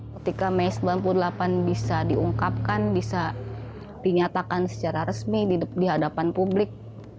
ketika mei seribu sembilan ratus sembilan puluh delapan bisa diungkapkan bisa dinyatakan secara resmi di hadapan publik